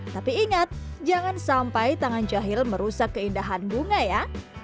tapi ingat jangan sampai tangan jahil merusak keindahan bunga ya